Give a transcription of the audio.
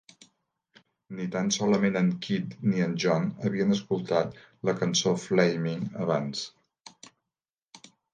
Ni tan solament en Kid ni en John havien escoltat la cançó Flaming abans.